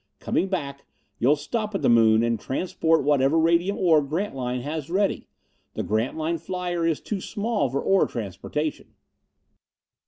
Coming back, you'll stop at the Moon and transport whatever radium ore Grantline has ready. The Grantline Flyer is too small for ore transportation."